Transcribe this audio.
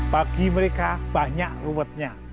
bagi mereka banyak ruwetnya